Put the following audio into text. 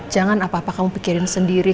jangan apa apa kamu pikirin sendiri